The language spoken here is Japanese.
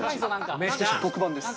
めっちゃ特番です。